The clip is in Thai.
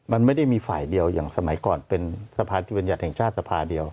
มันไม่ได้มีฝ่ายเดียวอย่างสมัยก่อนเป็นสภาธิบัญญัติแห่งชาติสภาเดียว